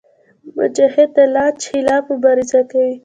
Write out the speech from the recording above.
مجاهد د لالچ خلاف مبارزه کوي.